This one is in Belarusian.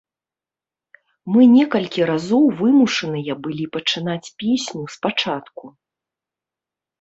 Мы некалькі разоў вымушаныя былі пачынаць песню спачатку.